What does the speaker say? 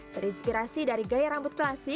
terinspirasi dari gaya rambut klasi